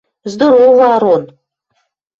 Здорово, Арон!